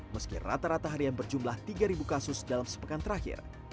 meski rata rata harian berjumlah tiga kasus dalam sepekan terakhir